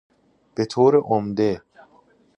به طور عمده